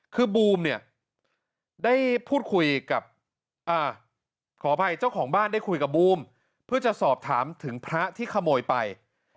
คือบูมเนี่ยได้พูดคุยกับขออภัยเจ้าของบ้านได้คุยกับบูมเพื่อจะสอบถามถึงพระที่ขโมยไป